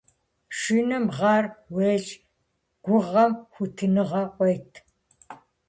Шынэм гъэр уещӏ, гугъэм хуитыныгъэ къыует.